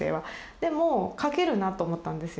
でも書けるなと思ったんですよ。